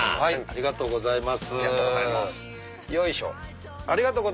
ありがとうございます。